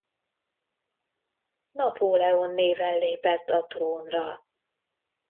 Napóleon néven lépett a trónra.